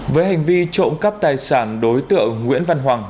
với hành vi trộm cắp tài sản đối tượng nguyễn văn hoàng